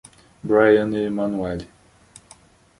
Bryan e Emanuelly